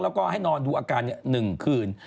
แล้วก็ให้นอนดูอาการ๑คืน